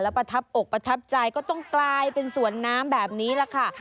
ประทับอกประทับใจก็ต้องกลายเป็นสวนน้ำแบบนี้แหละค่ะ